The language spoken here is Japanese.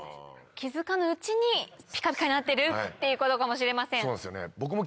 気付かぬうちにピカピカになってるっていうことかもしれません。